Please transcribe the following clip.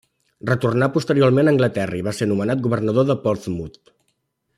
Retornà posteriorment a Anglaterra i va ser nomenat governador de Portsmouth.